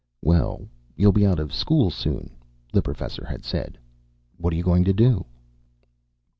"Well, you'll be out of school, soon," the Professor had said. "What are you going to do?"